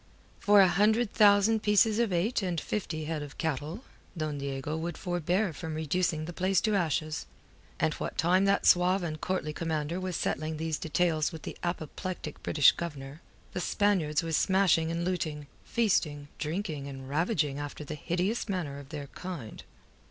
For a hundred thousand pieces of eight and fifty head of cattle, Don Diego would forbear from reducing the place to ashes. And what time that suave and courtly commander was settling these details with the apoplectic British Governor, the Spaniards were smashing and looting, feasting, drinking, and ravaging after the hideous manner of their kind.